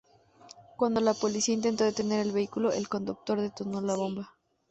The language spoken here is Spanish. Cuando la policía intentó detener el vehículo, el conductor detonó la bomba.